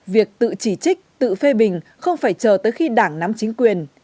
việc tự chỉ trích tự phê bình không phải chờ tới khi đảng nắm chính quyền